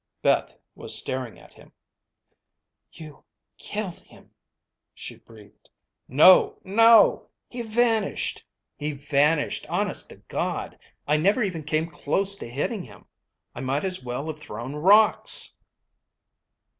Beth was staring at him. "You killed him," she breathed. "No, no! He vanished. He vanished ... honest to God, I never even came close to hitting him. I might as well have thrown rocks."